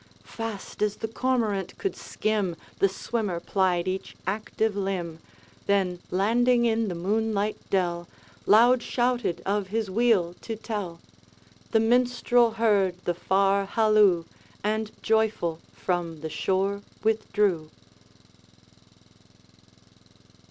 Fast as the cormorant could skim. The swimmer plied each active limb; Then landing in the moonlight dell, Loud shouted of his weal to tell. The Minstrel heard the far halloo, And joyful from the shore withdrew.